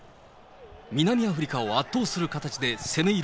南アフリカを圧倒する形で攻め入る